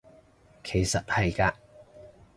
其實係嘅